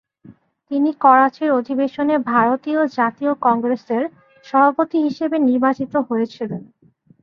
তিনি করাচি অধিবেশনে ভারতীয় জাতীয় কংগ্রেসের সভাপতি হিসাবে নির্বাচিত হয়েছিলেন ।